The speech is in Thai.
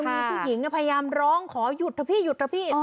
มีผู้หญิงพยายามร้องขอหยุดเถอะพี่หยุดเถอะพี่